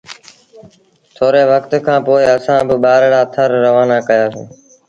ٿوري وکت کآݩ پو اسآݩ با ٻآرڙآ ٿر روآنآ ڪيآسيٚݩ۔